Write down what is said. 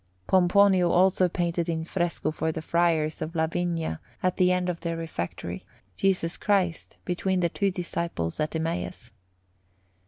Pomponio also painted in fresco for the Friars of La Vigna, at the end of their refectory, Jesus Christ between the two disciples at Emmaus.